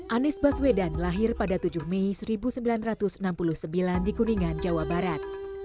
anies baswedan lahir pada tujuh mei seribu sembilan ratus enam puluh sembilan di kuningan jawa barat